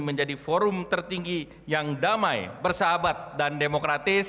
menjadi forum tertinggi yang damai bersahabat dan demokratis